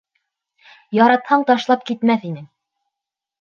Яратһаң, ташлап китмәҫ инең!